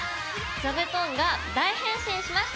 座布団が大変身しました！